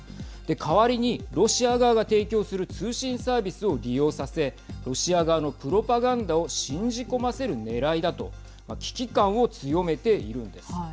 代わりに、ロシア側が提供する通信サービスを利用させロシア側のプロパガンダを信じ込ませるねらいだと危機感を強めているんです。